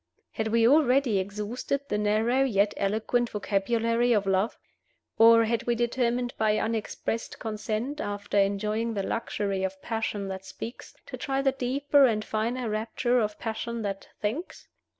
Had we already exhausted the narrow yet eloquent vocabulary of love? Or had we determined by unexpressed consent, after enjoying the luxury of passion that speaks, to try the deeper and finer rapture of passion that thinks?